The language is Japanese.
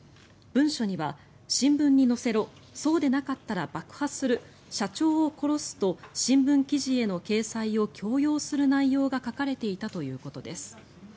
文書には、新聞に載せろそうでなかったら爆破する社長を殺すと新聞記事への掲載を強要する内容が書かれていたということです。